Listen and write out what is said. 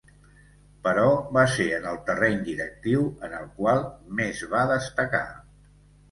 Però va ser en el terreny directiu en el qual més va destacar.